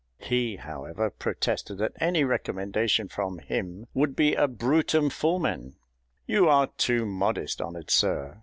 He, however, protested that any recommendation from him would be a brutum fulmen. "You are too modest, honoured Sir!"